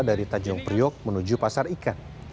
dari tanjung priok menuju pasar ikan